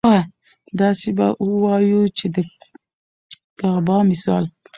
داسې به اووايو چې د ګابا مثال